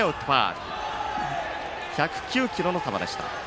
１０９キロの球でした。